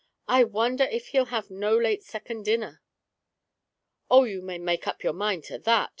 I wonder if he'll have no late second dinner." " Oh, you may make up your mind to that